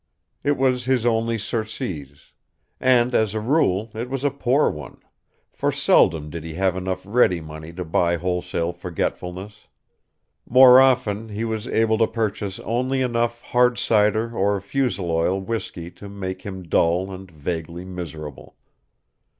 It was his only surcease. And as a rule, it was a poor one. For seldom did he have enough ready money to buy wholesale forgetfulness. More often he was able to purchase only enough hard cider or fuseloil whisky to make him dull and vaguely miserable.